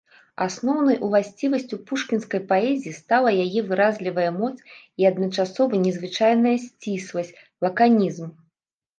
Асноўнай уласцівасцю пушкінскай паэзіі стала яе выразлівая моц і адначасова незвычайна сцісласць, лаканізм.